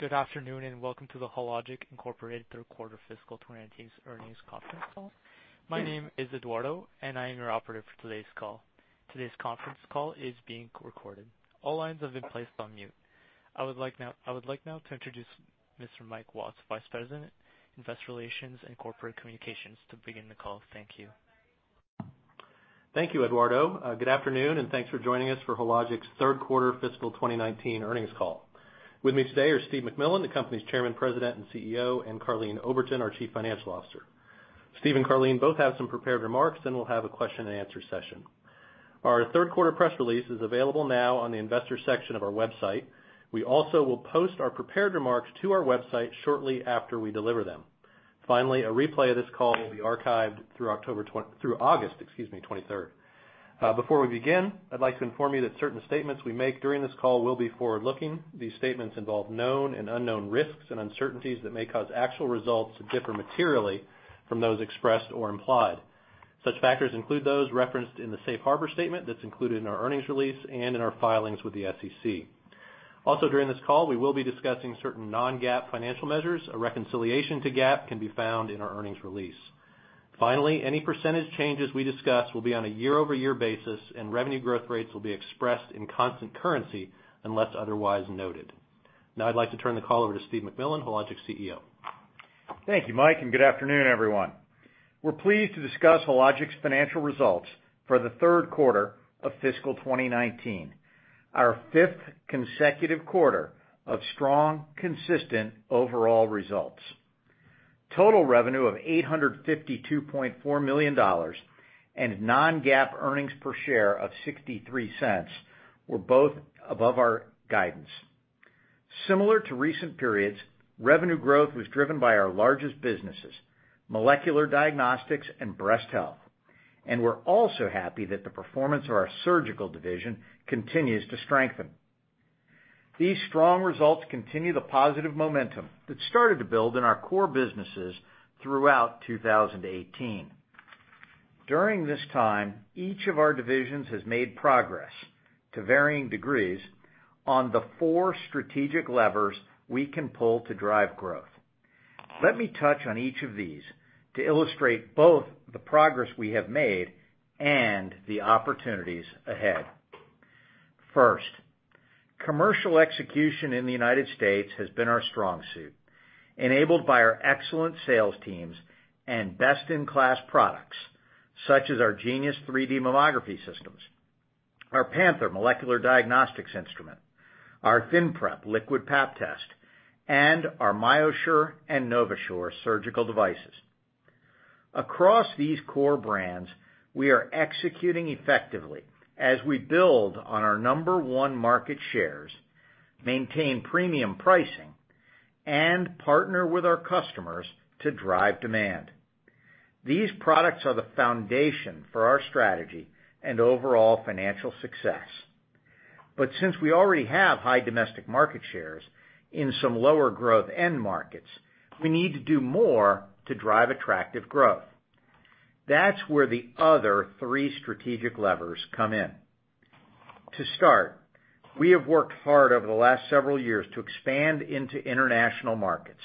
Good afternoon, and welcome to the Hologic Incorporated third quarter fiscal 2019 earnings conference call. My name is Eduardo, and I am your operator for today's call. Today's conference call is being recorded. All lines have been placed on mute. I would like now to introduce Mr. Michael Watts, Vice President, Investor Relations and Corporate Communications, to begin the call. Thank you. Thank you, Eduardo. Good afternoon, thanks for joining us for Hologic's third quarter fiscal 2019 earnings call. With me today are Steve MacMillan, the company's Chairman, President, and CEO, and Karleen Oberton, our Chief Financial Officer. Steve and Karleen both have some prepared remarks, we'll have a question and answer session. Our third quarter press release is available now on the investor section of our website. We also will post our prepared remarks to our website shortly after we deliver them. A replay of this call will be archived through August, excuse me, 23rd. Before we begin, I'd like to inform you that certain statements we make during this call will be forward-looking. These statements involve known and unknown risks and uncertainties that may cause actual results to differ materially from those expressed or implied. Such factors include those referenced in the safe harbor statement that's included in our earnings release and in our filings with the SEC. During this call, we will be discussing certain non-GAAP financial measures. A reconciliation to GAAP can be found in our earnings release. Any percentage changes we discuss will be on a year-over-year basis, and revenue growth rates will be expressed in constant currency unless otherwise noted. Now I'd like to turn the call over to Steve MacMillan, Hologic's CEO. Thank you, Mike. Good afternoon, everyone. We're pleased to discuss Hologic's financial results for the third quarter of fiscal 2019, our fifth consecutive quarter of strong, consistent overall results. Total revenue of $852.4 million, and non-GAAP earnings per share of $0.63 were both above our guidance. Similar to recent periods, revenue growth was driven by our largest businesses, molecular diagnostics and breast health. We're also happy that the performance of our GYN Surgical continues to strengthen. These strong results continue the positive momentum that started to build in our core businesses throughout 2018. During this time, each of our divisions has made progress, to varying degrees, on the four strategic levers we can pull to drive growth. Let me touch on each of these to illustrate both the progress we have made and the opportunities ahead. First, commercial execution in the United States has been our strong suit, enabled by our excellent sales teams and best-in-class products such as our Genius 3D Mammography systems, our Panther molecular diagnostics instrument, our ThinPrep liquid Pap test, and our MyoSure and NovaSure surgical devices. Across these core brands, we are executing effectively as we build on our number one market shares, maintain premium pricing, and partner with our customers to drive demand. These products are the foundation for our strategy and overall financial success. Since we already have high domestic market shares in some lower growth end markets, we need to do more to drive attractive growth. That's where the other three strategic levers come in. To start, we have worked hard over the last several years to expand into international markets,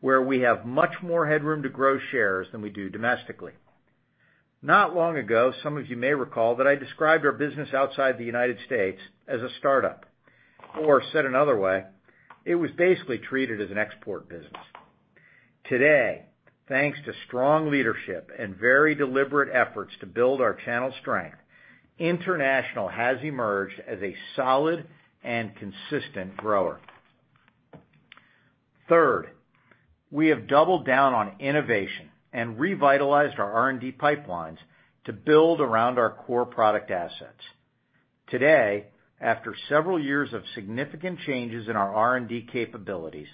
where we have much more headroom to grow shares than we do domestically. Not long ago, some of you may recall that I described our business outside the United States as a startup, or said another way, it was basically treated as an export business. Today, thanks to strong leadership and very deliberate efforts to build our channel strength, international has emerged as a solid and consistent grower. Third, we have doubled down on innovation and revitalized our R&D pipelines to build around our core product assets. Today, after several years of significant changes in our R&D capabilities,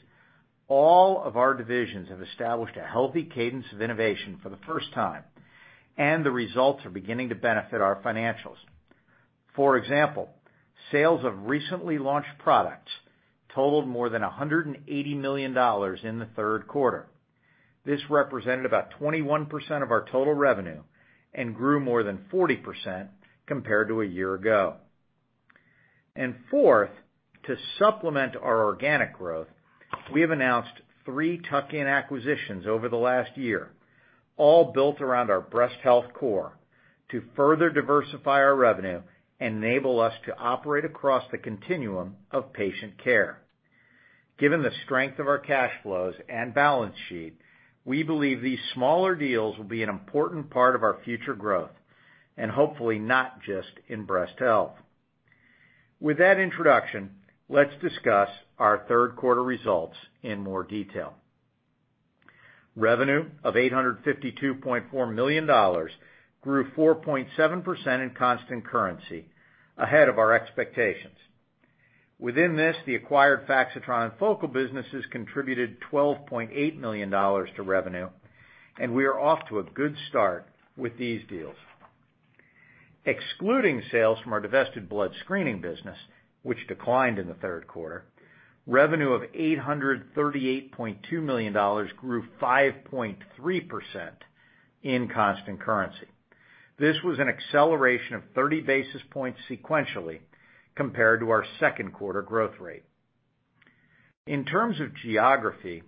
all of our divisions have established a healthy cadence of innovation for the first time, and the results are beginning to benefit our financials. For example, sales of recently launched products totaled more than $180 million in the third quarter. This represented about 21% of our total revenue and grew more than 40% compared to a year ago. Fourth, to supplement our organic growth, we have announced three tuck-in acquisitions over the last year, all built around our breast health core to further diversify our revenue and enable us to operate across the continuum of patient care. Given the strength of our cash flows and balance sheet, we believe these smaller deals will be an important part of our future growth, and hopefully not just in breast health. With that introduction, let's discuss our third quarter results in more detail. Revenue of $852.4 million grew 4.7% in constant currency, ahead of our expectations. Within this, the acquired Faxitron and Focal businesses contributed $12.8 million to revenue, and we are off to a good start with these deals. Excluding sales from our divested blood screening business, which declined in the third quarter, revenue of $838.2 million grew 5.3% in constant currency. This was an acceleration of 30 basis points sequentially compared to our second quarter growth rate. In terms of geography,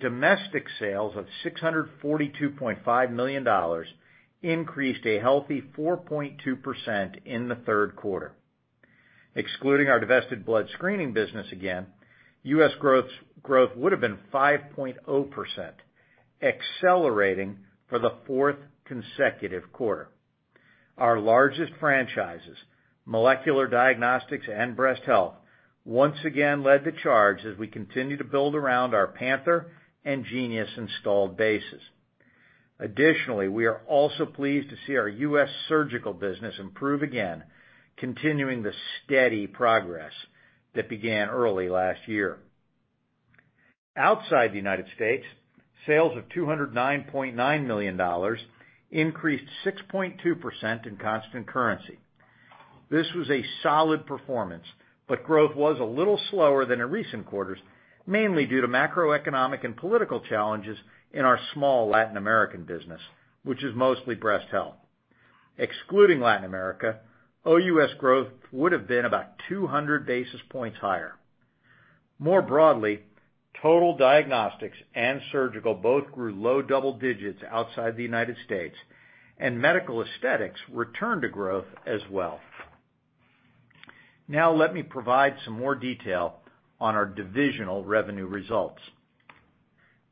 domestic sales of $642.5 million increased a healthy 4.2% in the third quarter. Excluding our divested blood screening business again, U.S. growth would have been 5.0%, accelerating for the fourth consecutive quarter. Our largest franchises, molecular diagnostics and breast health, once again led the charge as we continue to build around our Panther and Genius installed bases. Additionally, we are also pleased to see our U.S. surgical business improve again, continuing the steady progress that began early last year. Outside the United States, sales of $209.9 million increased 6.2% in constant currency. This was a solid performance, but growth was a little slower than in recent quarters, mainly due to macroeconomic and political challenges in our small Latin American business, which is mostly breast health. Excluding Latin America, OUS growth would have been about 200 basis points higher. More broadly, total diagnostics and surgical both grew low double digits outside the United States, and medical aesthetics returned to growth as well. Now let me provide some more detail on our divisional revenue results.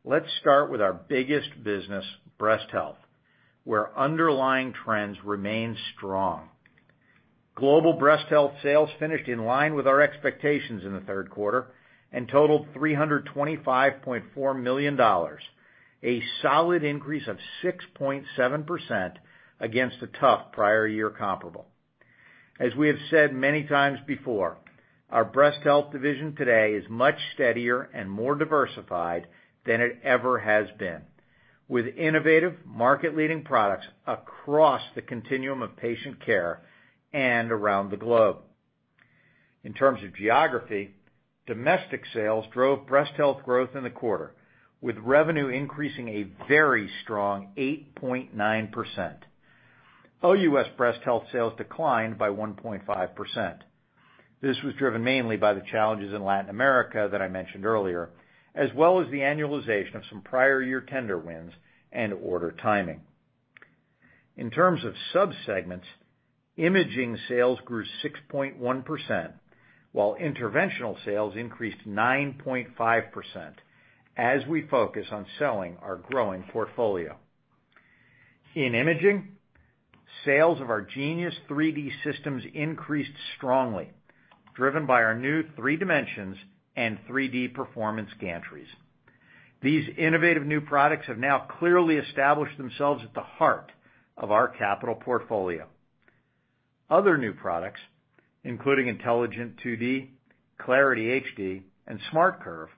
Let's start with our biggest business, breast health, where underlying trends remain strong. Global breast health sales finished in line with our expectations in the third quarter and totaled $325.4 million, a solid increase of 6.7% against a tough prior year comparable. As we have said many times before, our Breast Health division today is much steadier and more diversified than it ever has been, with innovative market-leading products across the continuum of patient care and around the globe. In terms of geography, domestic sales drove Breast Health growth in the quarter, with revenue increasing a very strong 8.9%. OUS Breast Health sales declined by 1.5%. This was driven mainly by the challenges in Latin America that I mentioned earlier, as well as the annualization of some prior year tender wins and order timing. In terms of subsegments, imaging sales grew 6.1%, while interventional sales increased 9.5% as we focus on selling our growing portfolio. In imaging, sales of our Genius 3D systems increased strongly, driven by our new 3Dimensions and 3D Performance gantry's. These innovative new products have now clearly established themselves at the heart of our capital portfolio. Other new products, including Intelligent 2D, Clarity HD, and SmartCurve,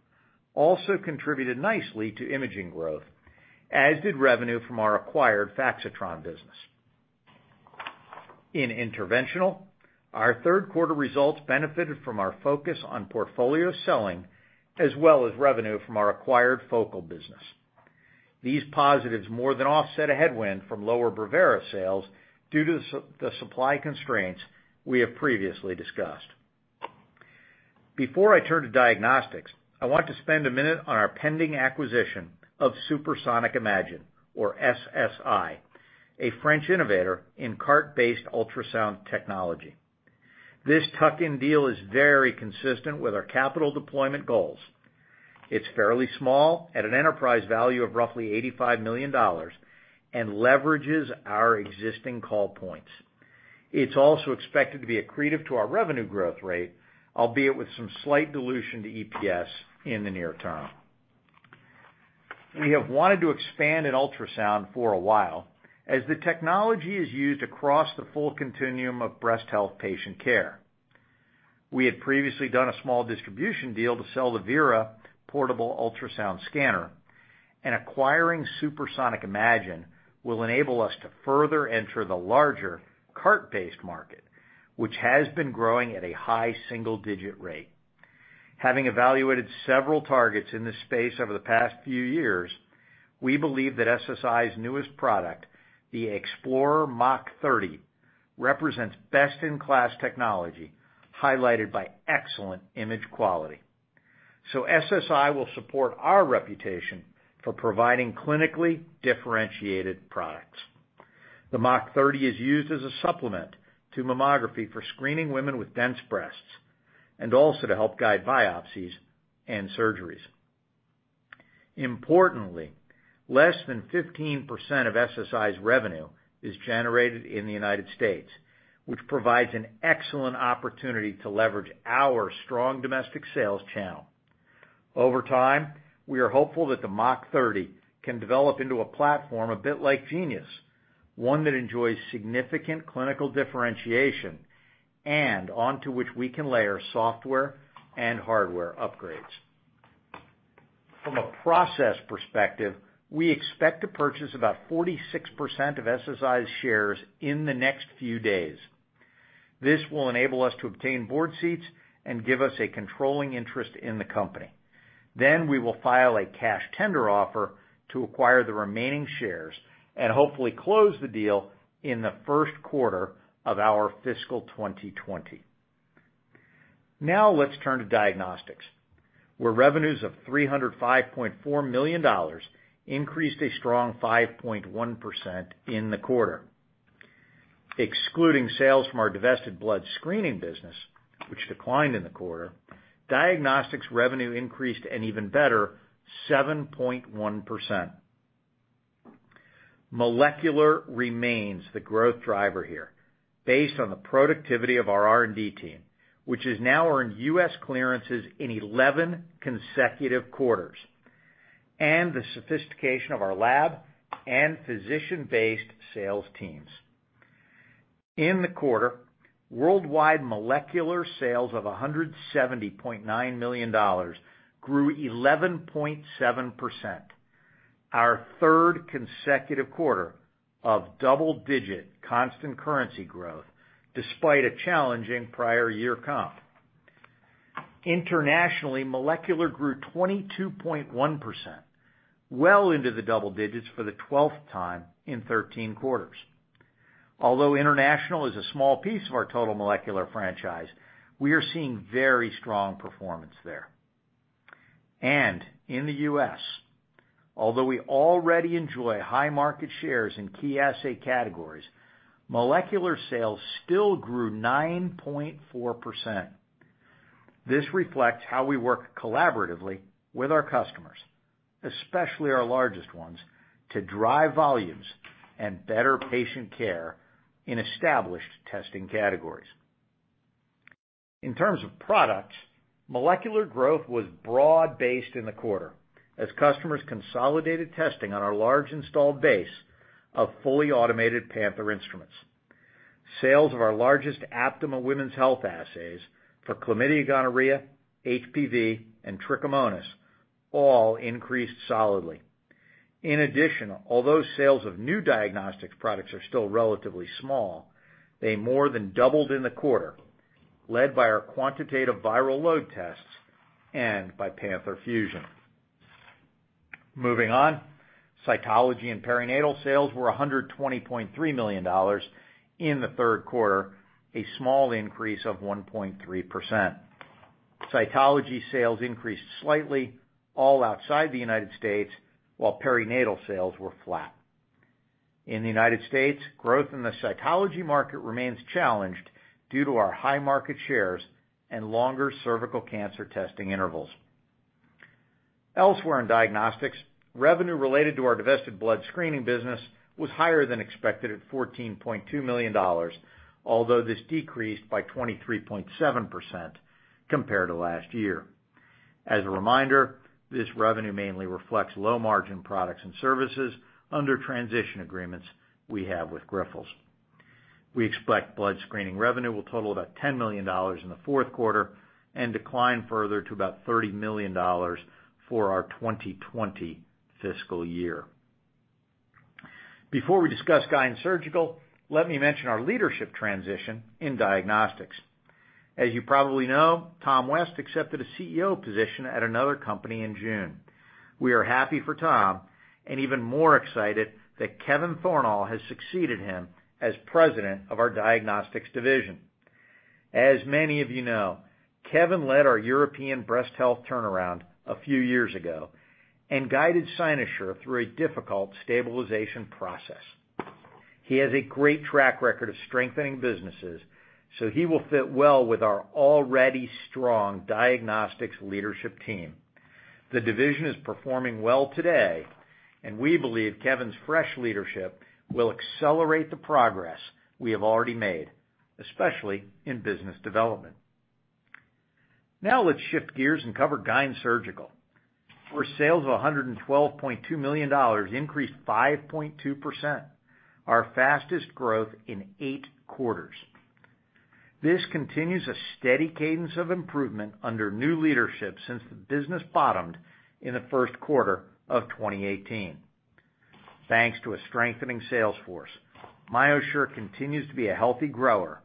also contributed nicely to imaging growth, as did revenue from our acquired Faxitron business. In interventional, our third quarter results benefited from our focus on portfolio selling as well as revenue from our acquired Focal business. These positives more than offset a headwind from lower Brevera sales due to the supply constraints we have previously discussed. Before I turn to diagnostics, I want to spend a minute on our pending acquisition of SuperSonic Imagine or SSI, a French innovator in cart-based ultrasound technology. This tuck-in deal is very consistent with our capital deployment goals. It's fairly small at an enterprise value of roughly $85 million and leverages our existing call points. It's also expected to be accretive to our revenue growth rate, albeit with some slight dilution to EPS in the near term. We have wanted to expand in ultrasound for a while as the technology is used across the full continuum of breast health patient care. We had previously done a small distribution deal to sell the Viera portable ultrasound scanner, and acquiring SuperSonic Imagine will enable us to further enter the larger cart-based market, which has been growing at a high single-digit rate. Having evaluated several targets in this space over the past few years, we believe that SSI's newest product, the Aixplorer MACH 30, represents best-in-class technology highlighted by excellent image quality. SSI will support our reputation for providing clinically differentiated products. The MACH 30 is used as a supplement to mammography for screening women with dense breasts and also to help guide biopsies and surgeries. Importantly, less than 15% of SSI's revenue is generated in the United States, which provides an excellent opportunity to leverage our strong domestic sales channel. Over time, we are hopeful that the MACH 30 can develop into a platform a bit like Genius, one that enjoys significant clinical differentiation and onto which we can layer software and hardware upgrades. From a process perspective, we expect to purchase about 46% of SSI's shares in the next few days. This will enable us to obtain board seats and give us a controlling interest in the company. We will file a cash tender offer to acquire the remaining shares and hopefully close the deal in the first quarter of our fiscal 2020. Let's turn to diagnostics, where revenues of $305.4 million increased a strong 5.1% in the quarter. Excluding sales from our divested blood screening business, which declined in the quarter, Diagnostics revenue increased an even better 7.1%. Molecular remains the growth driver here. Based on the productivity of our R&D team, which has now earned U.S. clearances in 11 consecutive quarters, and the sophistication of our lab and physician-based sales teams. In the quarter, worldwide Molecular sales of $170.9 million grew 11.7%, our third consecutive quarter of double-digit constant currency growth, despite a challenging prior year comp. Internationally, Molecular grew 22.1%, well into the double digits for the 12th time in 13 quarters. Although international is a small piece of our total Molecular franchise, we are seeing very strong performance there. In the U.S., although we already enjoy high market shares in key assay categories, Molecular sales still grew 9.4%. This reflects how we work collaboratively with our customers, especially our largest ones, to drive volumes and better patient care in established testing categories. In terms of products, molecular growth was broad-based in the quarter as customers consolidated testing on our large installed base of fully automated Panther instruments. Sales of our largest Aptima women's health assays for chlamydia, gonorrhea, HPV, and trichomonas all increased solidly. In addition, although sales of new diagnostics products are still relatively small, they more than doubled in the quarter, led by our quantitative viral load tests and by Panther Fusion. Moving on, cytology and perinatal sales were $120.3 million in the third quarter, a small increase of 1.3%. Cytology sales increased slightly all outside the United States, while perinatal sales were flat. In the U.S., growth in the cytology market remains challenged due to our high market shares and longer cervical cancer testing intervals. Elsewhere in diagnostics, revenue related to our divested blood screening business was higher than expected at $14.2 million, although this decreased by 23.7% compared to last year. As a reminder, this revenue mainly reflects low-margin products and services under transition agreements we have with Grifols. We expect blood screening revenue will total about $10 million in the fourth quarter and decline further to about $30 million for our 2020 fiscal year. Before we discuss GYN Surgical, let me mention our leadership transition in diagnostics. As you probably know, Tom West accepted a CEO position at another company in June. We are happy for Tom and even more excited that Kevin Thornal has succeeded him as President of our diagnostics division. As many of you know, Kevin led our European breast health turnaround a few years ago and guided Cynosure through a difficult stabilization process. He has a great track record of strengthening businesses. He will fit well with our already strong diagnostics leadership team. The division is performing well today. We believe Kevin's fresh leadership will accelerate the progress we have already made, especially in business development. Now let's shift gears and cover GYN Surgical, where sales of $112.2 million increased 5.2%, our fastest growth in eight quarters. This continues a steady cadence of improvement under new leadership since the business bottomed in the first quarter of 2018. Thanks to a strengthening sales force, MyoSure continues to be a healthy grower.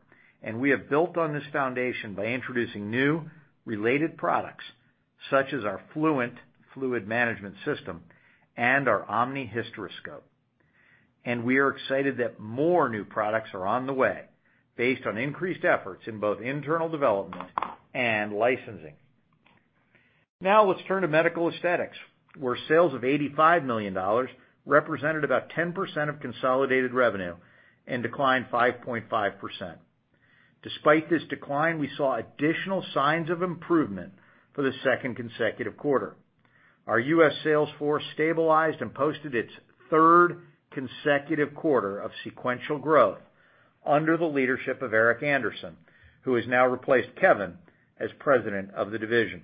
We have built on this foundation by introducing new, related products, such as our Fluent Fluid Management System and our Omni Hysteroscope. We are excited that more new products are on the way, based on increased efforts in both internal development and licensing. Now let's turn to medical aesthetics, where sales of $85 million represented about 10% of consolidated revenue and declined 5.5%. Despite this decline, we saw additional signs of improvement for the second consecutive quarter. Our U.S. sales force stabilized and posted its third consecutive quarter of sequential growth under the leadership of Erik Anderson, who has now replaced Kevin as president of the division.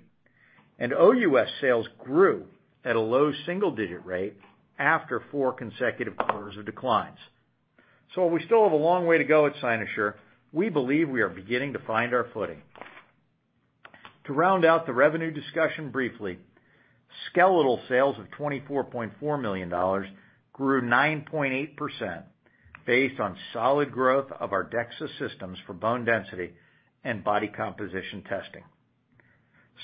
OUS sales grew at a low single-digit rate after four consecutive quarters of declines. We still have a long way to go at Cynosure. We believe we are beginning to find our footing. To round out the revenue discussion briefly, skeletal sales of $24.4 million grew 9.8%, based on solid growth of our DEXA systems for bone density and body composition testing.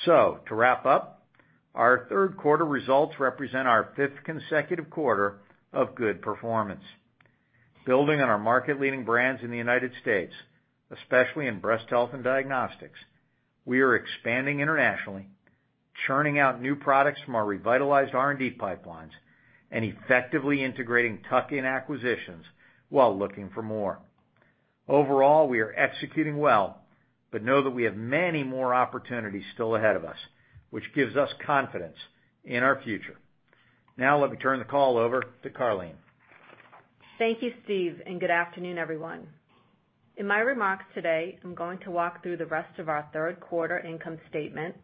To wrap up, our third quarter results represent our fifth consecutive quarter of good performance. Building on our market-leading brands in the United States, especially in breast health and diagnostics, we are expanding internationally, churning out new products from our revitalized R&D pipelines, and effectively integrating tuck-in acquisitions while looking for more. Overall, we are executing well, but know that we have many more opportunities still ahead of us, which gives us confidence in our future. Now let me turn the call over to Karleen. Thank you, Steve. Good afternoon, everyone. In my remarks today, I'm going to walk through the rest of our third quarter income statement,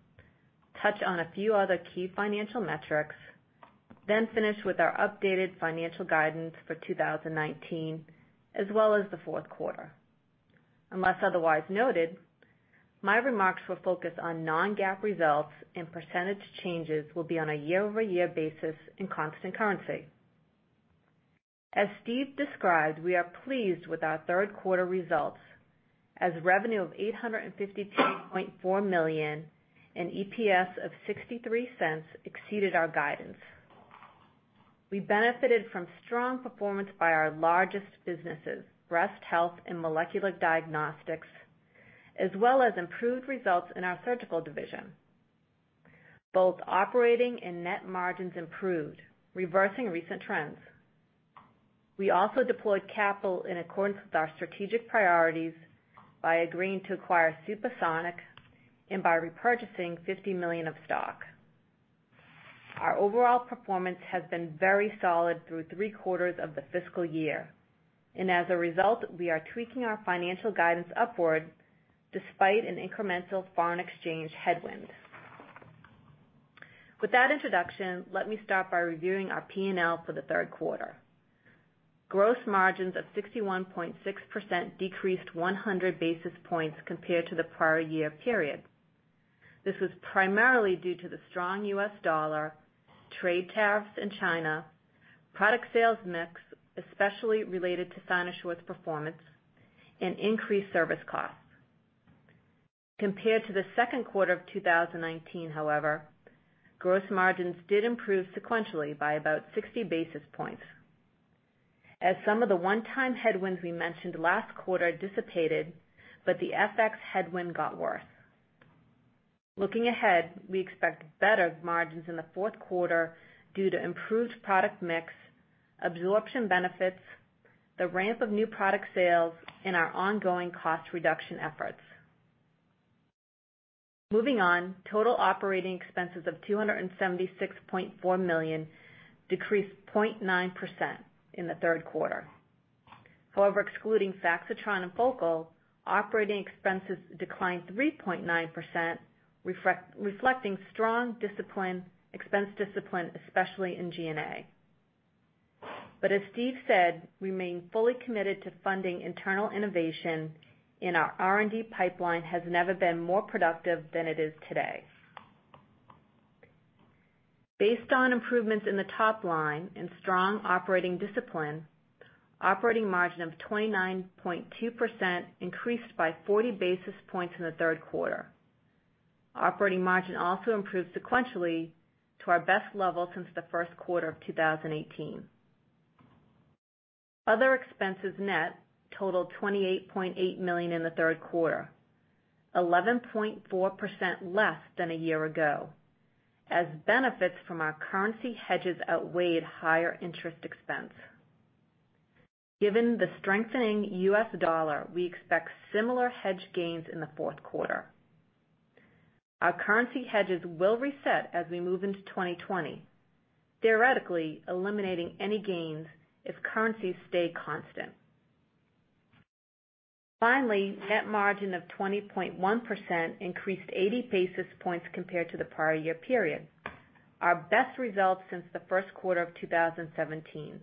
touch on a few other key financial metrics, finish with our updated financial guidance for 2019 as well as the fourth quarter. Unless otherwise noted, my remarks will focus on non-GAAP results. Percentage changes will be on a year-over-year basis in constant currency. As Steve described, we are pleased with our third quarter results, as revenue of $852.4 million in EPS of $0.63 exceeded our guidance. We benefited from strong performance by our largest businesses, breast health and molecular diagnostics, as well as improved results in our surgical division. Both operating and net margins improved, reversing recent trends. We also deployed capital in accordance with our strategic priorities by agreeing to acquire SuperSonic and by repurchasing $50 million of stock. Our overall performance has been very solid through three quarters of the fiscal year. As a result, we are tweaking our financial guidance upward despite an incremental foreign exchange headwind. With that introduction, let me start by reviewing our P&L for the third quarter. Gross margins of 61.6% decreased 100 basis points compared to the prior year period. This was primarily due to the strong U.S. dollar, trade tariffs in China, product sales mix, especially related to Cynosure's performance, and increased service costs. Compared to the second quarter of 2019, however, gross margins did improve sequentially by about 60 basis points as some of the one-time headwinds we mentioned last quarter dissipated. The FX headwind got worse. Looking ahead, we expect better margins in the fourth quarter due to improved product mix, absorption benefits, the ramp of new product sales, and our ongoing cost reduction efforts. Moving on, total operating expenses of $276.4 million decreased 0.9% in the third quarter. However, excluding Faxitron and Focal, operating expenses declined 3.9%, reflecting strong expense discipline, especially in G&A. As Steve said, we remain fully committed to funding internal innovation, and our R&D pipeline has never been more productive than it is today. Based on improvements in the top line and strong operating discipline, operating margin of 29.2% increased by 40 basis points in the third quarter. Operating margin also improved sequentially to our best level since the first quarter of 2018. Other expenses net totaled $28.8 million in the third quarter, 11.4% less than a year ago as benefits from our currency hedges outweighed higher interest expense. Given the strengthening U.S. dollar, we expect similar hedge gains in the fourth quarter. Our currency hedges will reset as we move into 2020, theoretically eliminating any gains if currencies stay constant. Net margin of 20.1% increased 80 basis points compared to the prior year period, our best result since the first quarter of 2017.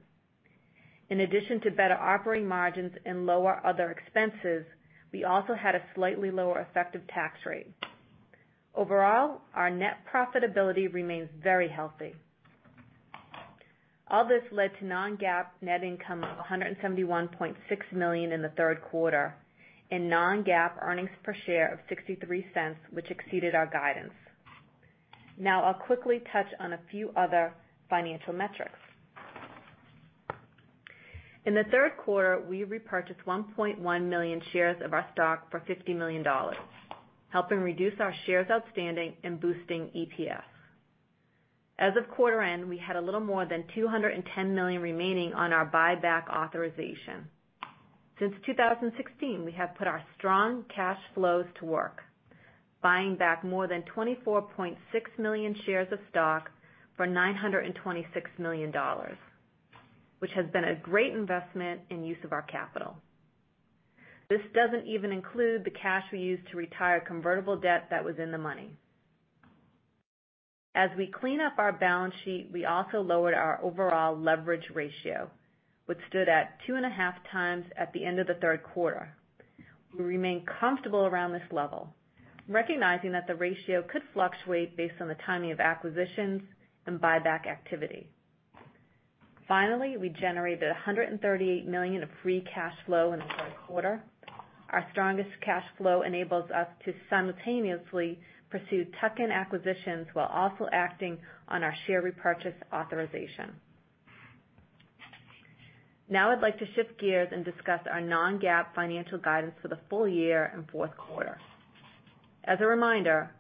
In addition to better operating margins and lower other expenses, we also had a slightly lower effective tax rate. Overall, our net profitability remains very healthy. All this led to non-GAAP net income of $171.6 million in the third quarter and non-GAAP EPS of $0.63, which exceeded our guidance. I'll quickly touch on a few other financial metrics. In the third quarter, we repurchased 1.1 million shares of our stock for $50 million, helping reduce our shares outstanding and boosting EPS. As of quarter end, we had a little more than $210 million remaining on our buyback authorization. Since 2016, we have put our strong cash flows to work, buying back more than 24.6 million shares of stock for $926 million, which has been a great investment and use of our capital. This doesn't even include the cash we used to retire convertible debt that was in the money. As we clean up our balance sheet, we also lowered our overall leverage ratio, which stood at two and a half times at the end of the third quarter. We remain comfortable around this level, recognizing that the ratio could fluctuate based on the timing of acquisitions and buyback activity. Finally, we generated $138 million of free cash flow in the third quarter. Our strongest cash flow enables us to simultaneously pursue tuck-in acquisitions while also acting on our share repurchase authorization. I'd like to shift gears and discuss our non-GAAP financial guidance for the full year and fourth quarter. As a reminder,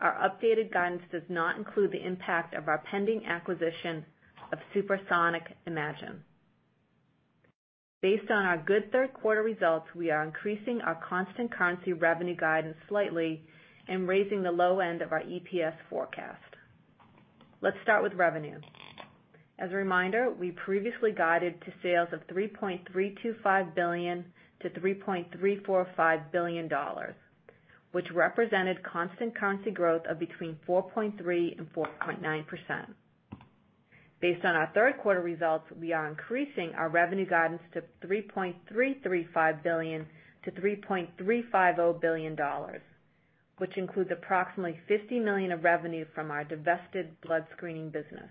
our updated guidance does not include the impact of our pending acquisition of SuperSonic Imagine. Based on our good third quarter results, we are increasing our constant currency revenue guidance slightly and raising the low end of our EPS forecast. Let's start with revenue. As a reminder, we previously guided to sales of $3.325 billion-$3.345 billion, which represented constant currency growth of between 4.3%-4.9%. Based on our third quarter results, we are increasing our revenue guidance to $3.335 billion-$3.350 billion, which includes approximately $50 million of revenue from our divested blood screening business.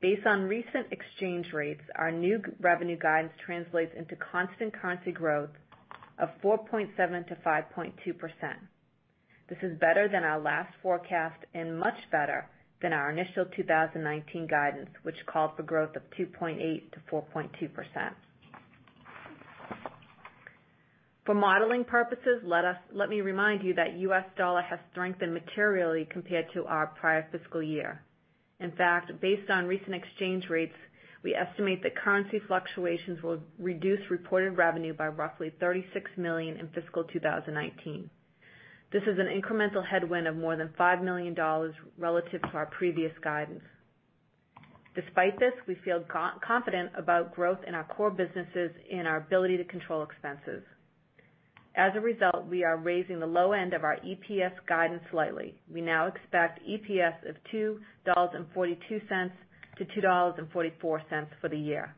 Based on recent exchange rates, our new revenue guidance translates into constant currency growth of 4.7%-5.2%. This is better than our last forecast and much better than our initial 2019 guidance, which called for growth of 2.8%-4.2%. For modeling purposes, let me remind you that U.S. dollar has strengthened materially compared to our prior fiscal year. In fact, based on recent exchange rates, we estimate that currency fluctuations will reduce reported revenue by roughly $36 million in fiscal 2019. This is an incremental headwind of more than $5 million relative to our previous guidance. Despite this, we feel confident about growth in our core businesses and our ability to control expenses. As a result, we are raising the low end of our EPS guidance slightly. We now expect EPS of $2.42-$2.44 for the year,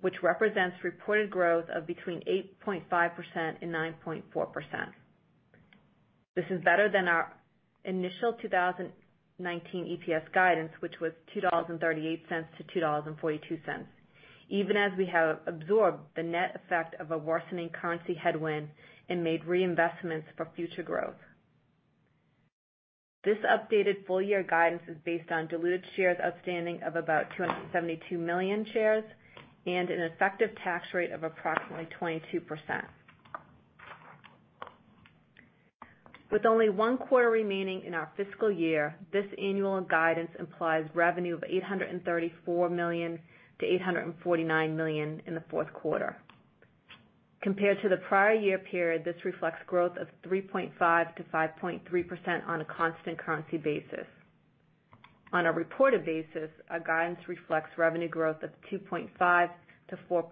which represents reported growth of between 8.5% and 9.4%. This is better than our initial 2019 EPS guidance, which was $2.38-$2.42, even as we have absorbed the net effect of a worsening currency headwind and made reinvestments for future growth. This updated full year guidance is based on diluted shares outstanding of about 272 million shares and an effective tax rate of approximately 22%. With only one quarter remaining in our fiscal year, this annual guidance implies revenue of $834 million-$849 million in the fourth quarter. Compared to the prior year period, this reflects growth of 3.5%-5.3% on a constant currency basis. On a reported basis, our guidance reflects revenue growth of 2.5%-4.4%.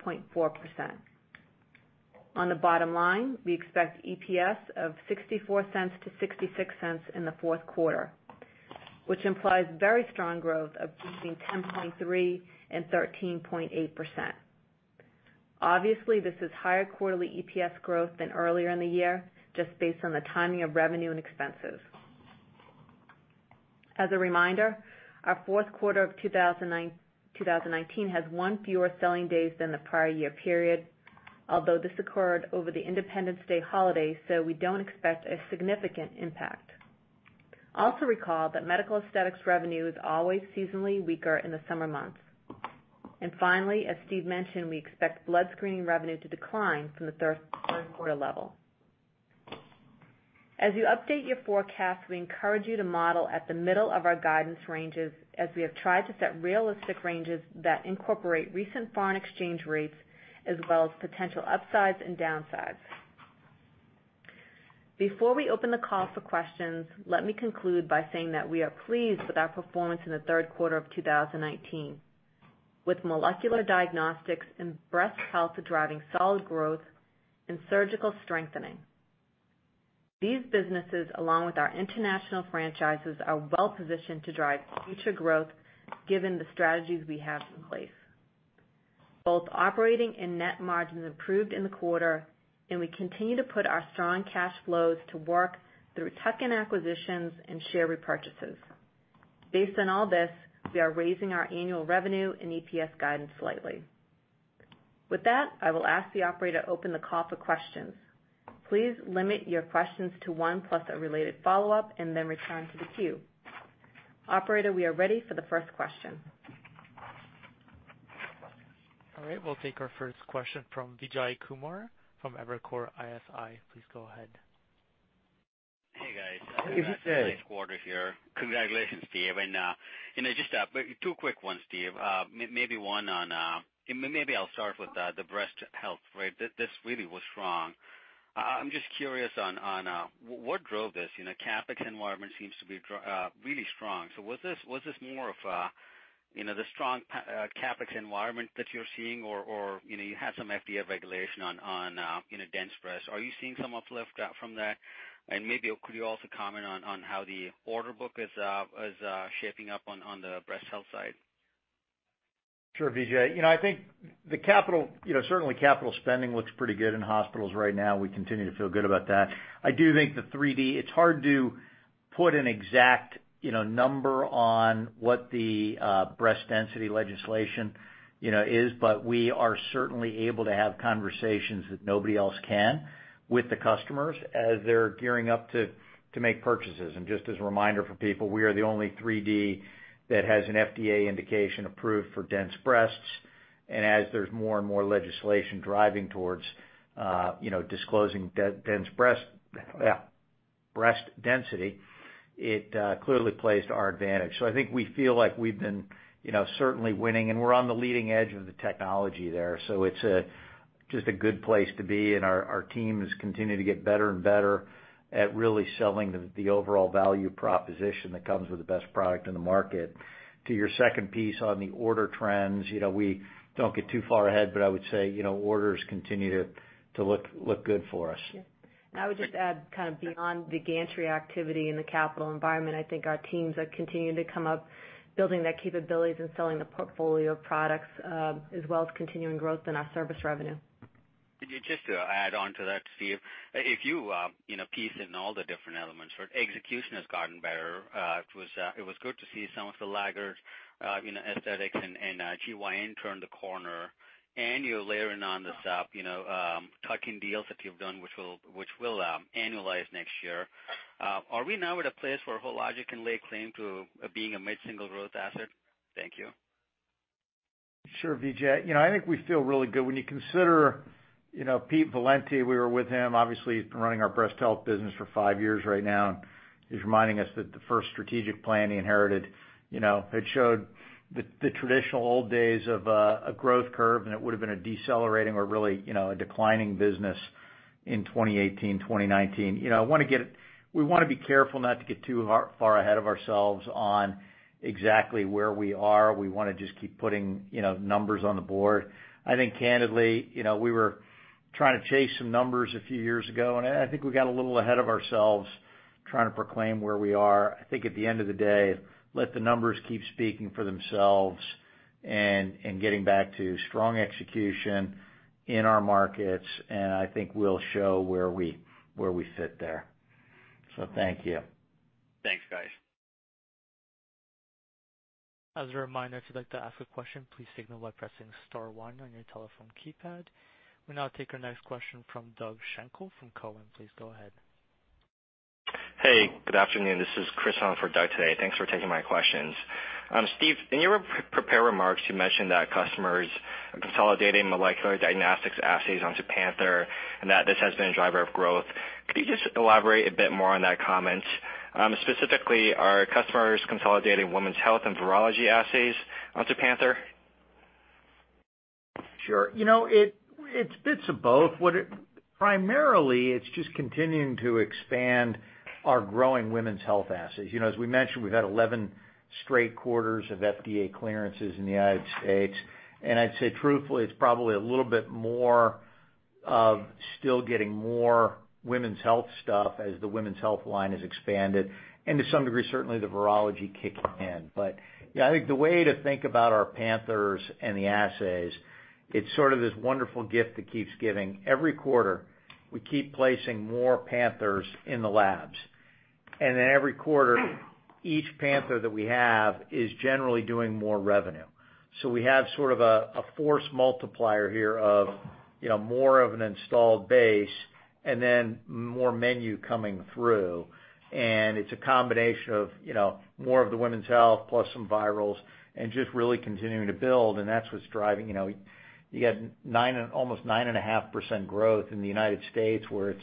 On the bottom line, we expect EPS of $0.64-$0.66 in the fourth quarter, which implies very strong growth of between 10.3% and 13.8%. Obviously, this is higher quarterly EPS growth than earlier in the year, just based on the timing of revenue and expenses. As a reminder, our fourth quarter of 2019 has one fewer selling days than the prior year period, although this occurred over the Independence Day holiday, so we don't expect a significant impact. Also recall that medical aesthetics revenue is always seasonally weaker in the summer months. Finally, as Steve mentioned, we expect blood screening revenue to decline from the third quarter level. As you update your forecast, we encourage you to model at the middle of our guidance ranges, as we have tried to set realistic ranges that incorporate recent foreign exchange rates, as well as potential upsides and downsides. Before we open the call for questions, let me conclude by saying that we are pleased with our performance in the third quarter of 2019. With molecular diagnostics and breast health driving solid growth and surgical strengthening. These businesses, along with our international franchises, are well positioned to drive future growth given the strategies we have in place. Both operating and net margins improved in the quarter, and we continue to put our strong cash flows to work through tuck-in acquisitions and share repurchases. Based on all this, we are raising our annual revenue and EPS guidance slightly. With that, I will ask the operator to open the call for questions. Please limit your questions to one plus a related follow-up and then return to the queue. Operator, we are ready for the first question. All right. We'll take our first question from Vijay Kumar from Evercore ISI. Please go ahead. Hey, guys. Hey. Nice quarter here. Congratulations, Steve. Just two quick ones, Steve. Maybe I'll start with the breast health. This really was strong. I'm just curious on what drove this. CapEx environment seems to be really strong. Was this more of the strong CapEx environment that you're seeing, or you had some FDA regulation on dense breasts? Are you seeing some uplift from that? Maybe could you also comment on how the order book is shaping up on the breast health side? Sure, Vijay. I think certainly capital spending looks pretty good in hospitals right now. We continue to feel good about that. I do think the 3D, it's hard to put an exact number on what the breast density legislation is. We are certainly able to have conversations that nobody else can with the customers as they're gearing up to make purchases. Just as a reminder for people, we are the only 3D that has an FDA indication approved for dense breasts. As there's more and more legislation driving towards disclosing breast density, it clearly plays to our advantage. I think we feel like we've been certainly winning, and we're on the leading edge of the technology there. It's just a good place to be, and our teams continue to get better and better at really selling the overall value proposition that comes with the best product in the market. To your second piece on the order trends, we don't get too far ahead, but I would say, orders continue to look good for us. Yeah. I would just add kind of beyond the gantry activity in the capital environment, I think our teams are continuing to come up, building their capabilities and selling the portfolio of products, as well as continuing growth in our service revenue. Could you just add on to that, Steve? If you piece in all the different elements, execution has gotten better. It was good to see some of the laggards in aesthetics and GYN turn the corner. You're layering on the top, tuck-in deals that you've done, which will annualize next year. Are we now at a place where Hologic can lay claim to being a mid-single growth asset? Thank you. Sure, Vijay. I think we feel really good when you consider Peter Valenti, we were with him, obviously, he's been running our breast health business for five years right now. He's reminding us that the first strategic plan he inherited, it showed the traditional old days of a growth curve, and it would've been a decelerating or really a declining business in 2018, 2019. We want to be careful not to get too far ahead of ourselves on exactly where we are. We want to just keep putting numbers on the board. I think candidly, we were trying to chase some numbers a few years ago, and I think we got a little ahead of ourselves trying to proclaim where we are. I think at the end of the day, let the numbers keep speaking for themselves and getting back to strong execution in our markets, and I think we'll show where we fit there. Thank you. Thanks, guys. As a reminder, if you'd like to ask a question, please signal by pressing star one on your telephone keypad. We'll now take our next question from Doug Schenkel from Cowen. Please go ahead. Hey, good afternoon. This is Chris on for Doug today. Thanks for taking my questions. Steve, in your prepared remarks, you mentioned that customers are consolidating molecular diagnostics assays onto Panther and that this has been a driver of growth. Could you just elaborate a bit more on that comment? Specifically, are customers consolidating women's health and virology assays onto Panther? Sure. It's bits of both. Primarily, it's just continuing to expand our growing women's health assays. As we mentioned, we've had 11 straight quarters of FDA clearances in the United States. I'd say truthfully, it's probably a little bit more of still getting more women's health stuff as the women's health line has expanded. To some degree, certainly the virology kicking in. Yeah, I think the way to think about our Panthers and the assays, it's sort of this wonderful gift that keeps giving. Every quarter, we keep placing more Panthers in the labs. Every quarter, each Panther that we have is generally doing more revenue. We have sort of a force multiplier here of more of an installed base and then more menu coming through. It's a combination of more of the women's health plus some virals and just really continuing to build, and that's what's driving you got almost nine and a half % growth in the U.S. where it's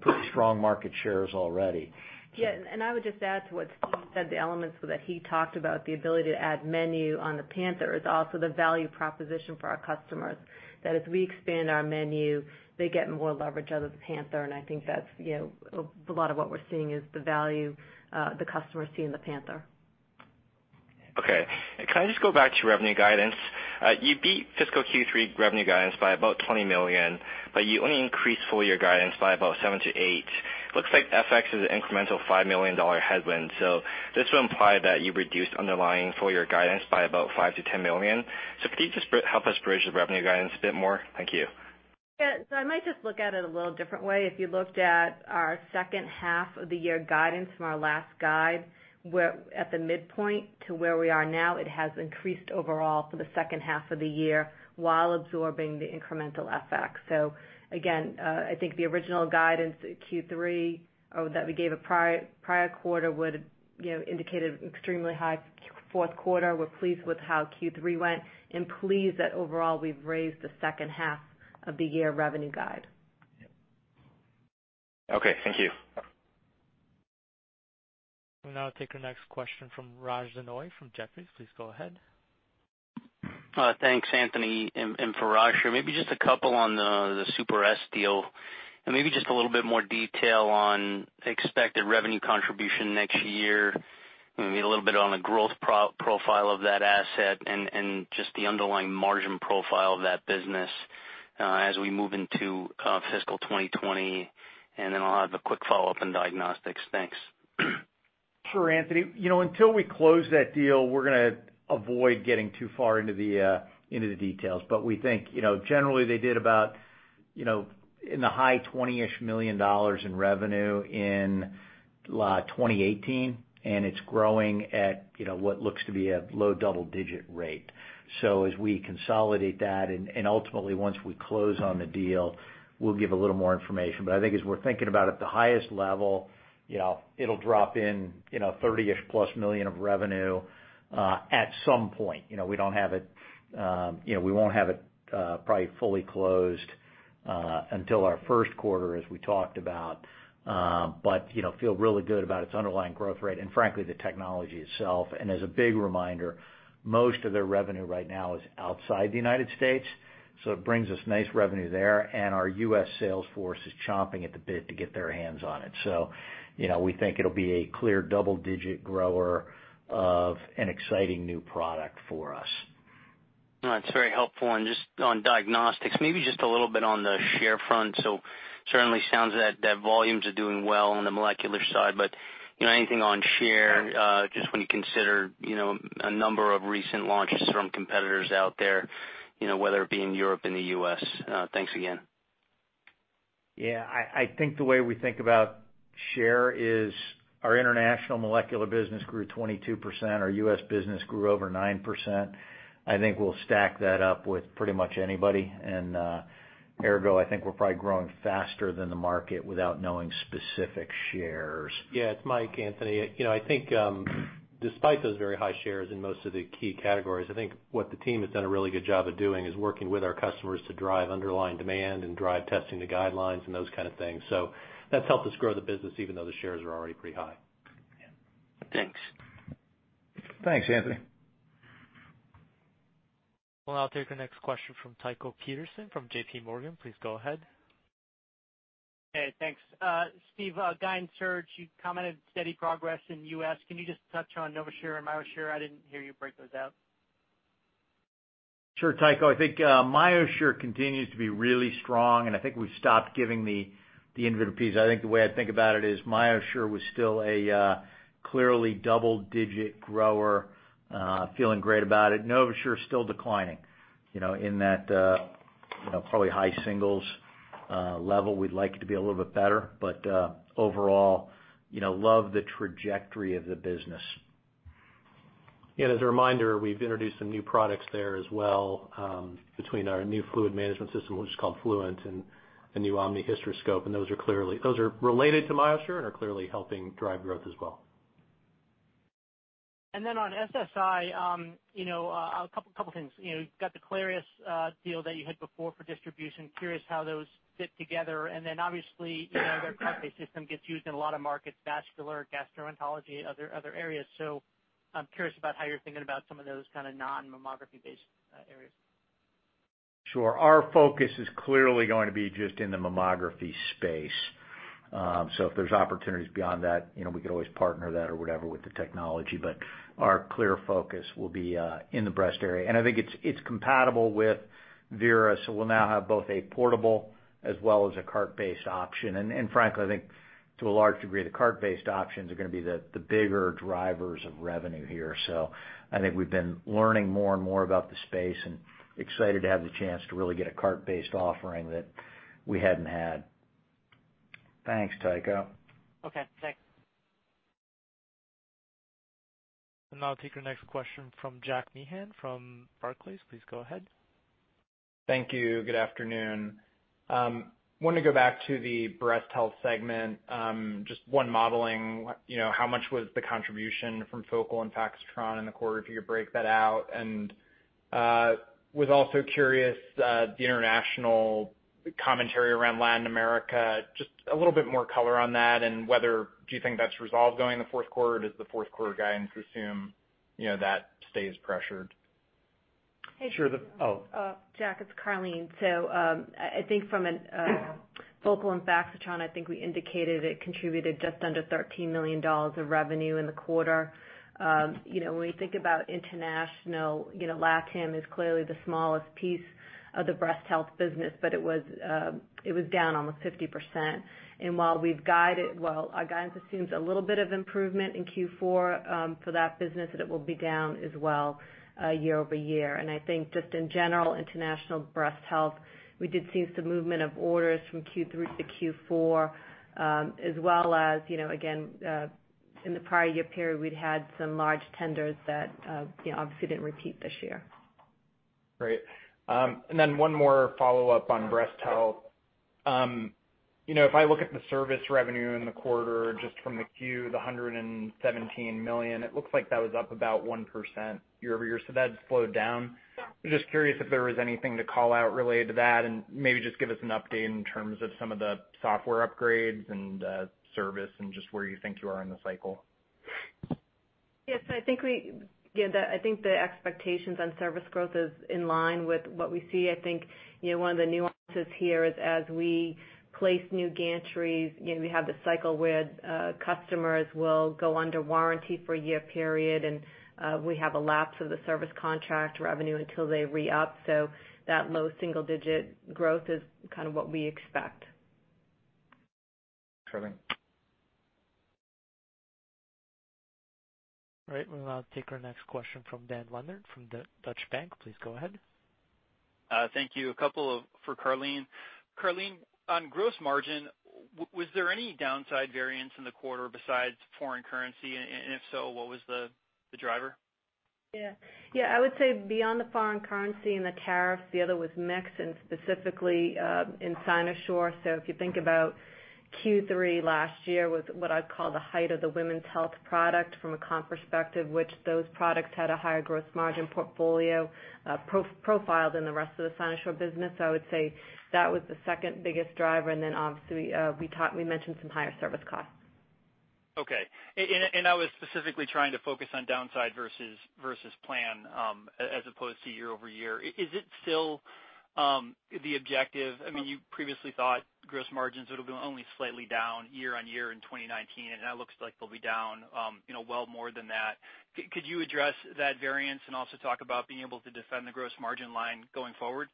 pretty strong market shares already. Yeah. I would just add to what Steve said, the elements that he talked about, the ability to add menu on the Panther is also the value proposition for our customers. As we expand our menu, they get more leverage out of the Panther, I think that's a lot of what we're seeing is the value the customer is seeing in the Panther. Okay. Can I just go back to revenue guidance? You beat fiscal Q3 revenue guidance by about $20 million, but you only increased full year guidance by about $7 million-$8 million. Looks like FX is an incremental $5 million headwind. This would imply that you reduced underlying full year guidance by about $5 million-$10 million. Could you just help us bridge the revenue guidance a bit more? Thank you. Yeah. I might just look at it a little different way. If you looked at our second half of the year guidance from our last guide, at the midpoint to where we are now, it has increased overall for the second half of the year while absorbing the incremental FX. Again, I think the original guidance Q3 or that we gave a prior quarter would indicate an extremely high Q4. We're pleased with how Q3 went and pleased that overall we've raised the second half of the year revenue guide. Okay, thank you. We'll now take our next question from Raj Denhoy from Jefferies. Please go ahead. Thanks, Anthony and Raj. Maybe just a couple on the SuperSonic deal, maybe just a little bit more detail on expected revenue contribution next year. Maybe a little bit on the growth profile of that asset just the underlying margin profile of that business as we move into fiscal 2020. I'll have a quick follow-up on diagnostics. Thanks. Sure, Anthony. Until we close that deal, we're going to avoid getting too far into the details. We think, generally they did about in the high $20-ish million in revenue in 2018, and it's growing at what looks to be a low double-digit rate. As we consolidate that, and ultimately once we close on the deal, we'll give a little more information. I think as we're thinking about at the highest level, it'll drop in $30-ish plus million of revenue at some point. We won't have it probably fully closed until our first quarter, as we talked about. Feel really good about its underlying growth rate and frankly, the technology itself. As a big reminder, most of their revenue right now is outside the United States, so it brings us nice revenue there, and our U.S. sales force is chomping at the bit to get their hands on it. We think it'll be a clear double-digit grower of an exciting new product for us. That's very helpful. Just on diagnostics, maybe just a little bit on the share front. Certainly sounds that volumes are doing well on the molecular side, but anything on share, just when you consider a number of recent launches from competitors out there, whether it be in Europe and the U.S.? Thanks again. Yeah, I think the way we think about share is our international molecular business grew 22%, our U.S. business grew over 9%. I think we'll stack that up with pretty much anybody. Ergo, I think we're probably growing faster than the market without knowing specific shares. Yeah, it's Mike, Anthony. I think, despite those very high shares in most of the key categories, I think what the team has done a really good job of doing is working with our customers to drive underlying demand and drive testing to guidelines and those kind of things. That's helped us grow the business even though the shares are already pretty high. Thanks. Thanks, Anthony. Well, I'll take our next question from Tycho Peterson from J.P. Morgan. Please go ahead. Hey, thanks. Steve, guide and search, you commented steady progress in U.S. Can you just touch on NovaSure and MyoSure? I didn't hear you break those out. Sure, Tycho. I think MyoSure continues to be really strong. I think we've stopped giving the inviter piece. I think the way I think about it is MyoSure was still a clearly double-digit grower, feeling great about it. NovaSure is still declining. In that probably high singles level. We'd like it to be a little bit better, but, overall, love the trajectory of the business. Yeah, as a reminder, we've introduced some new products there as well, between our new fluid management system, which is called Fluent, and the new Omni Hysteroscope, and those are related to MyoSure and are clearly helping drive growth as well. On SSI, a couple things. You've got the Clarius deal that you had before for distribution. Curious how those fit together. Obviously, their cart-based system gets used in a lot of markets, vascular, gastroenterology, other areas. I'm curious about how you're thinking about some of those kind of non-mammography based areas. Sure. Our focus is clearly going to be just in the mammography space. If there's opportunities beyond that, we could always partner that or whatever with the technology, but our clear focus will be in the breast area. I think it's compatible with Viera, so we'll now have both a portable as well as a cart-based option. Frankly, I think to a large degree, the cart-based options are going to be the bigger drivers of revenue here. I think we've been learning more and more about the space and excited to have the chance to really get a cart-based offering that we hadn't had. Thanks, Tycho. Okay, thanks. I'll take our next question from Jack Meehan from Barclays. Please go ahead. Thank you. Good afternoon. I wanted to go back to the breast health segment. Just one modeling, how much was the contribution from Focal and Faxitron in the quarter, if you could break that out? I was also curious, the international commentary around Latin America, just a little bit more color on that and whether, do you think that's resolved going into the fourth quarter? Does the fourth quarter guidance assume that stays pressured? Sure. Oh. Jack, it's Karleen. I think from a Focal and Faxitron, I think we indicated it contributed just under $13 million of revenue in the quarter. When we think about international, LATAM is clearly the smallest piece of the breast health business, but it was down almost 50%. While our guidance assumes a little bit of improvement in Q4 for that business, that it will be down as well year-over-year. I think just in general, international breast health, we did see some movement of orders from Q3 to Q4, as well as, again, in the prior year period, we'd had some large tenders that obviously didn't repeat this year. Great. One more follow-up on breast health. If I look at the service revenue in the quarter, just from the queue, the $117 million, it looks like that was up about 1% year-over-year. That's slowed down. I'm just curious if there was anything to call out related to that and maybe just give us an update in terms of some of the software upgrades and service and just where you think you are in the cycle. Yes, I think the expectations on service growth is in line with what we see. I think, one of the nuances here is as we place new gantries, we have the cycle where customers will go under warranty for a year period, and we have a lapse of the service contract revenue until they re-up. That low single-digit growth is kind of what we expect. Excellent. All right, we'll now take our next question from Dan Leonard from the Deutsche Bank. Please go ahead. Thank you. A couple for Karleen. Karleen, on gross margin, was there any downside variance in the quarter besides foreign currency? If so, what was the driver? Yeah. I would say beyond the foreign currency and the tariff, the other was mix and specifically, in Cynosure. If you think about Q3 last year, with what I'd call the height of the women's health product from a comp perspective, which those products had a higher growth margin portfolio profiled in the rest of the Cynosure business, I would say that was the second biggest driver. Then obviously, we mentioned some higher service costs. Okay. I was specifically trying to focus on downside versus plan, as opposed to year-over-year. Is it still the objective? You previously thought gross margins would have been only slightly down year-on-year in 2019, and now it looks like they'll be down well more than that. Could you address that variance and also talk about being able to defend the gross margin line going forward?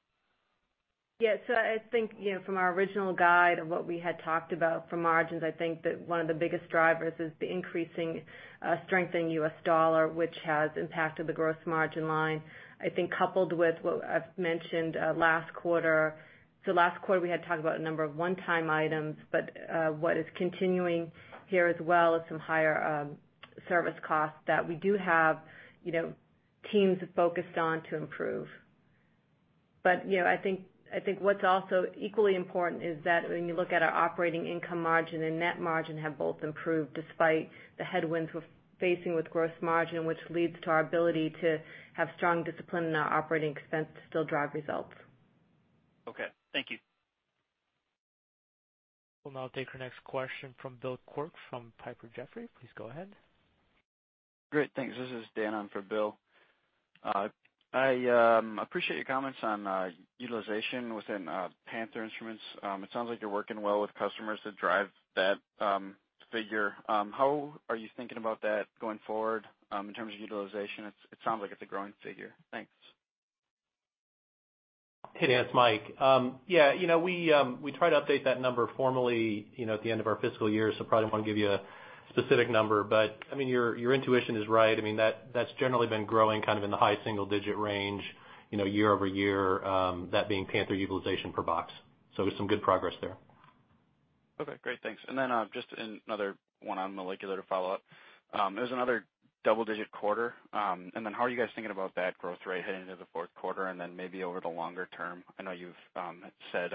I think, from our original guide of what we had talked about for margins, I think that one of the biggest drivers is the increasing strengthening U.S. dollar, which has impacted the gross margin line. I think coupled with what I've mentioned, last quarter, we had talked about a number of one-time items. What is continuing here as well is some higher service costs that we do have teams focused on to improve. I think what's also equally important is that when you look at our operating income margin and net margin have both improved despite the headwinds we're facing with gross margin, which leads to our ability to have strong discipline in our operating expense to still drive results. Okay. Thank you. We'll now take our next question from Bill Quirk from Piper Jaffray. Please go ahead. Great. Thanks. This is Dan on for Bill. I appreciate your comments on utilization within Panther Instruments. It sounds like you're working well with customers to drive that figure. How are you thinking about that going forward, in terms of utilization? It sounds like it's a growing figure. Thanks. Hey, Dan. It's Mike. Yeah. We try to update that number formally at the end of our fiscal year, so probably won't give you a specific number. Your intuition is right. That's generally been growing in the high single-digit range, year-over-year, that being Panther utilization per box. There's some good progress there. Okay, great. Thanks. Then, just another one on molecular to follow up. It was another double-digit quarter. Then how are you guys thinking about that growth rate heading into the fourth quarter and then maybe over the longer term? I know you've said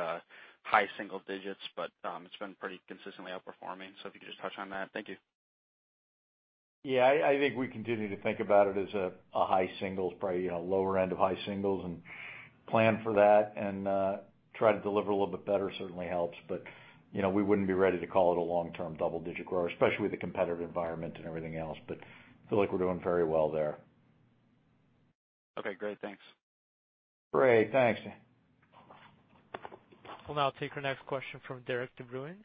high single digits, but it's been pretty consistently outperforming. If you could just touch on that. Thank you. Yeah, I think we continue to think about it as a high singles, probably lower end of high singles and plan for that and try to deliver a little bit better certainly helps. We wouldn't be ready to call it a long-term double-digit grower, especially with the competitive environment and everything else, but I feel like we're doing very well there. Okay, great. Thanks. Great. Thanks, Dan. We'll now take our next question from Derik de Bruin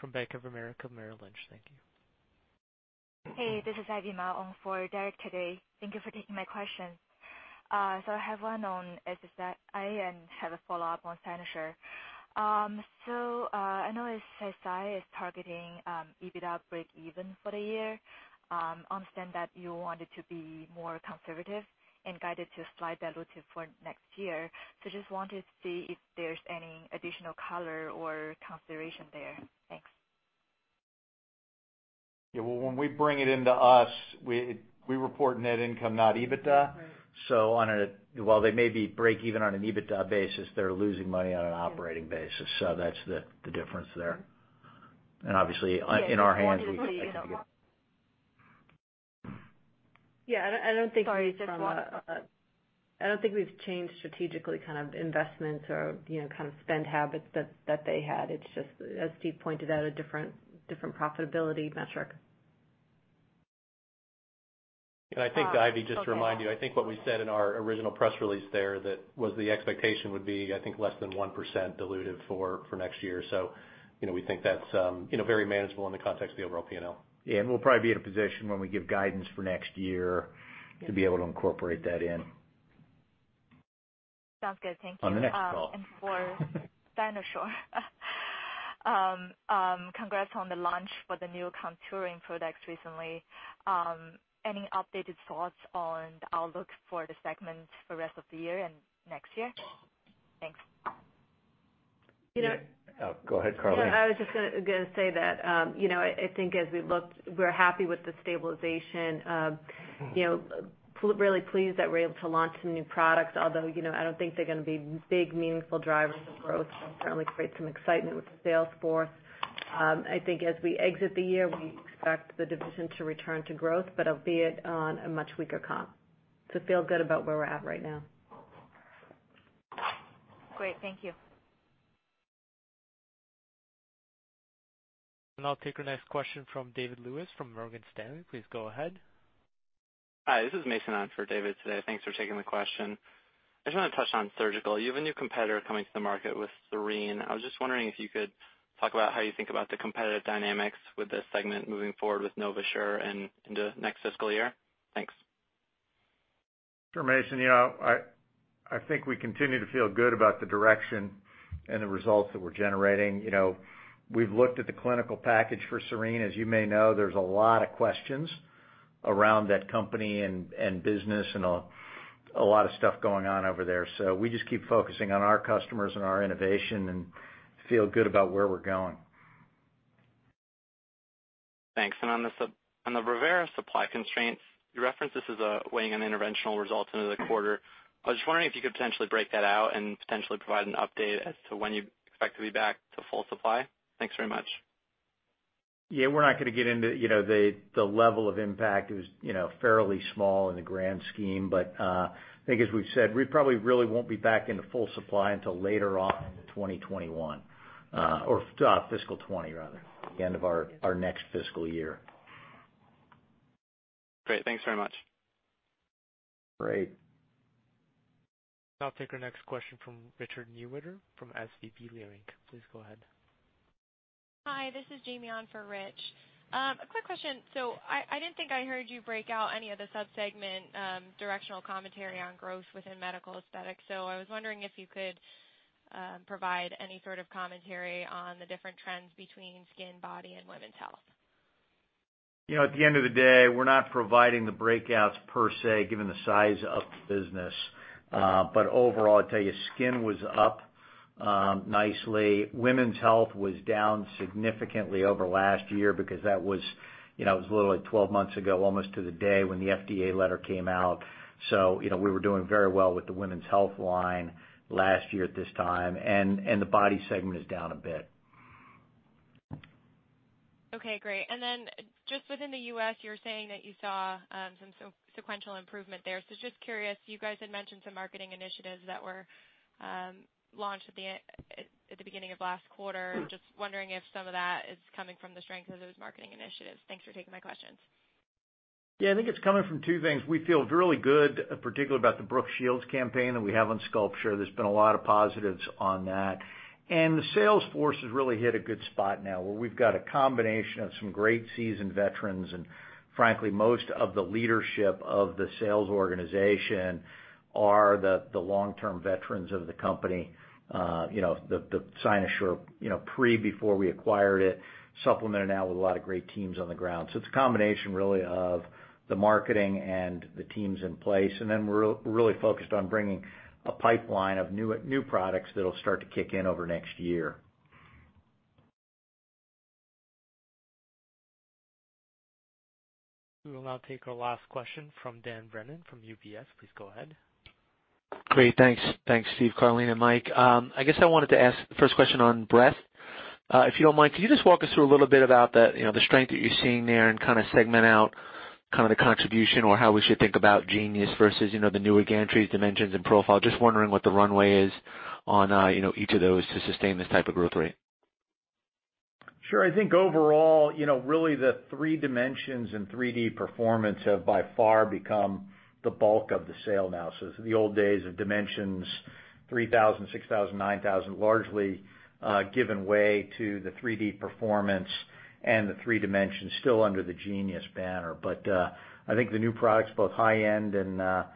from Bank of America Merrill Lynch. Thank you. Hey, this is Ivy Mao on for Derik today. Thank you for taking my question. I have one on SSI and have a follow-up on Cynosure. I know SSI is targeting EBITDA breakeven for the year. I understand that you want it to be more conservative and guided to slide that out to for next year. Just wanted to see if there's any additional color or consideration there. Thanks. Yeah. Well, when we bring it into us, we report net income, not EBITDA. Right. While they may be break even on an EBITDA basis, they're losing money on an operating basis. That's the difference there. Okay. obviously, in our hands- Yeah, just wanted to see. I think. Yeah, I don't think we've- Sorry, just one last- I don't think we've changed strategically investments or spend habits that they had. It's just, as Steve pointed out, a different profitability metric. I think, Ivy, just to remind you, I think what we said in our original press release there that was the expectation would be, I think less than 1% diluted for next year. We think that's very manageable in the context of the overall P&L. Yeah, we'll probably be in a position when we give guidance for next year to be able to incorporate that in. Sounds good. Thank you. On the next call. For Cynosure. Congrats on the launch for the new contouring products recently. Any updated thoughts on the outlook for the segment for rest of the year and next year? Thanks. You know. Oh, go ahead, Karleen. Yeah, I was just going to say that I think as we looked, we're happy with the stabilization. Really pleased that we're able to launch some new products, although, I don't think they're going to be big meaningful drivers of growth. It will certainly create some excitement with the sales force. I think as we exit the year, we expect the division to return to growth, but albeit on a much weaker comp. We feel good about where we're at right now. Great. Thank you. I'll take our next question from David Lewis from Morgan Stanley. Please go ahead. Hi, this is Mason on for David today. Thanks for taking the question. I just want to touch on surgical. You have a new competitor coming to the market with Cerene. I was just wondering if you could talk about how you think about the competitive dynamics with this segment moving forward with NovaSure and into next fiscal year. Thanks. Sure, Mason. I think we continue to feel good about the direction and the results that we're generating. We've looked at the clinical package for Cerene. As you may know, there's a lot of questions around that company and business and a lot of stuff going on over there. We just keep focusing on our customers and our innovation and feel good about where we're going. Thanks. On the Brevera supply constraints, you referenced this as weighing on interventional results into the quarter. I was just wondering if you could potentially break that out and potentially provide an update as to when you expect to be back to full supply. Thanks very much. Yeah, we're not going to get into the level of impact. It was fairly small in the grand scheme, but I think as we've said, we probably really won't be back into full supply until later on in 2021, or fiscal 2020 rather, the end of our next fiscal year. Great. Thanks very much. Great. I'll take our next question from Richard Newitter from SVB Leerink. Please go ahead. Hi, this is Jamie on for Rich. A quick question. I didn't think I heard you break out any of the sub-segment directional commentary on growth within medical aesthetics, so I was wondering if you could provide any sort of commentary on the different trends between skin, body, and women's health. At the end of the day, we're not providing the breakouts per se, given the size of the business. Overall, I'll tell you, skin was up nicely. Women's health was down significantly over last year because it was literally 12 months ago, almost to the day, when the FDA letter came out. We were doing very well with the women's health line last year at this time, and the body segment is down a bit. Okay, great. Just within the U.S., you were saying that you saw some sequential improvement there. Just curious, you guys had mentioned some marketing initiatives that were launched at the beginning of last quarter. Just wondering if some of that is coming from the strength of those marketing initiatives. Thanks for taking my questions. Yeah, I think it's coming from two things. We feel really good, particularly about the Brooke Shields campaign that we have on SculpSure. There's been a lot of positives on that. The sales force has really hit a good spot now where we've got a combination of some great seasoned veterans, and frankly, most of the leadership of the sales organization are the long-term veterans of the company. The Cynosure, before we acquired it, supplemented now with a lot of great teams on the ground. It's a combination really of the marketing and the teams in place, and then we're really focused on bringing a pipeline of new products that'll start to kick in over next year. We will now take our last question from Dan Brennan from UBS. Please go ahead. Great. Thanks, Steve, Karleen, Mike. I guess I wanted to ask the first question on breadth. If you don't mind, can you just walk us through a little bit about the strength that you're seeing there and kind of segment out the contribution or how we should think about Genius versus the newer gantries Dimensions and profile? Just wondering what the runway is on each of those to sustain this type of growth rate. Sure. I think overall, really the 3Dimensions and 3D Performance have by far become the bulk of the sale now. The old days of Dimensions 3000, 6,000, 9,000, largely given way to the 3D Performance and the 3Dimensions still under the Genius banner. I think the new products, both high-end and a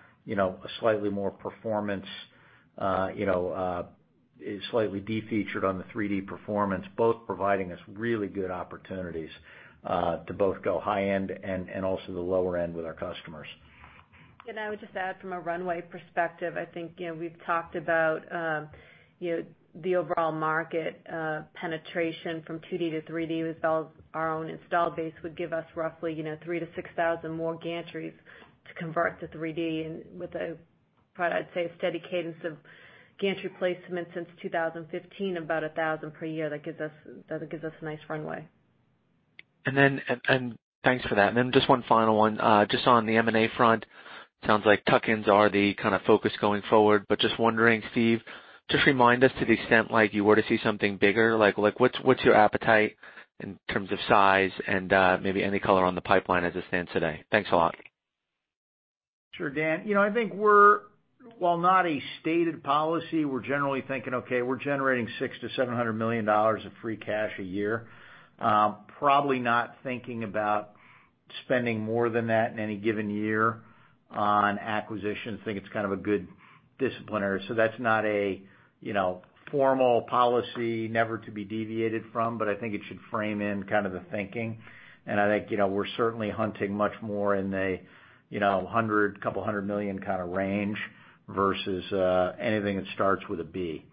slightly more performance, is slightly de-featured on the 3D Performance, both providing us really good opportunities to both go high-end and also the lower end with our customers. I would just add from a runway perspective, I think, we've talked about the overall market penetration from 2D to 3D with our own installed base would give us roughly 3,000-6,000 more gantries to convert to 3D. With a product, I'd say a steady cadence of gantry placement since 2015, about 1,000 per year. That gives us a nice runway. Thanks for that. Just one final one. Just on the M&A front, sounds like tuck-ins are the focus going forward, but just wondering, Steve, just remind us to the extent like you were to see something bigger, what's your appetite in terms of size and maybe any color on the pipeline as it stands today. Thanks a lot. Sure, Dan. I think while not a stated policy, we're generally thinking, okay, we're generating $600 million to $700 million of free cash a year. Probably not thinking about spending more than that in any given year on acquisitions. Think it's kind of a good disciplinarian. That's not a formal policy never to be deviated from, but I think it should frame in kind of the thinking. I think, we're certainly hunting much more in the $100 million, couple hundred million kind of range versus anything that starts with a B.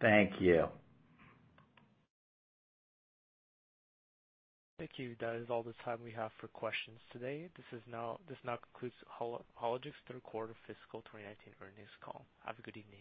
Thank you. Thank you. That is all the time we have for questions today. This now concludes Hologic's Third Quarter Fiscal 2019 Earnings Call. Have a good evening.